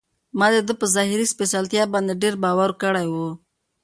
ما د ده په ظاهري سپېڅلتیا باندې ډېر باور کړی و.